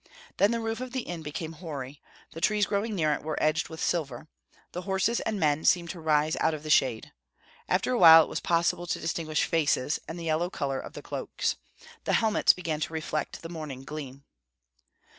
Then the roof of the inn became hoary; the trees growing near it were edged with silver. The horses and men seemed to rise out of the shade. After a while it was possible to distinguish faces, and the yellow color of the cloaks. The helmets began to reflect the morning gleam.